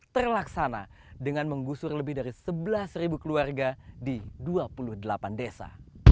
terlaksana dengan menggusur lebih dari sebelas keluarga di dua puluh delapan desa